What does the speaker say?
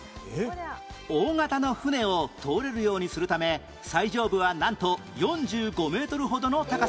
大型の船を通れるようにするため最上部はなんと４５メートルほどの高さに